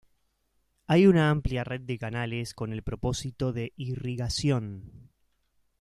Hay una amplia red de canales con el propósito de irrigación.